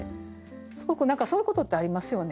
すごく何かそういうことってありますよね。